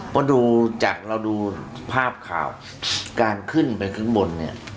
เพราะเราดูภาพข่าวการขึ้นไปขึ้นบน